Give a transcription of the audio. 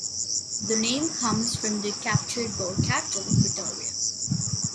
The name comes from the captured Boer capital, Pretoria.